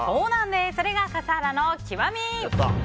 それが笠原の極み！